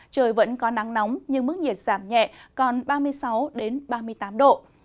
trời vẫn có nắng nóng nhưng mức nhiệt giảm nhẹ còn ba mươi sáu ba mươi tám độ